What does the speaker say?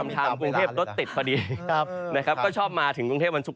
ไม่มีตำแหน่งเวลาหรือละครับบางครั้งพอดีให้กันจะมาถึงวันสุข